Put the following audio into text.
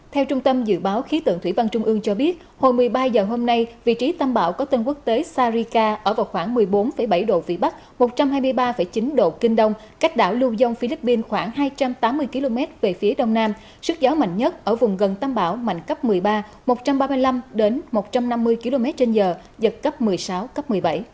theo trung tâm dự báo khí tượng thủy văn trung ương cho biết hồi một mươi ba giờ hôm nay vị trí tâm bão có tên quốc tế sarika ở vào khoảng một mươi bốn bảy độ vĩ bắc một trăm hai mươi ba chín độ kinh đông cách đảo lưu dông philippines khoảng hai trăm tám mươi km về phía đông nam sức gió mạnh nhất ở vùng gần tâm bão mạnh cấp một mươi ba một trăm ba mươi năm đến một trăm năm mươi km trên giờ giật cấp một mươi sáu cấp một mươi bảy